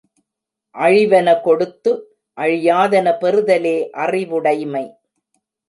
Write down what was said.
அழிவன கொடுத்து அழியாதன பெறுதலே அறிவுடைமை.